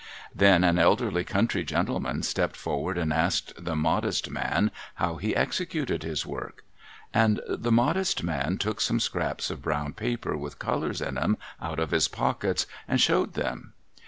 Then, an elderly country gentleman stepped forward and asked the modest man how he executed his work ? And the modest man took some scraps of brown paper with colours in 'em out of his pockets, and showed them.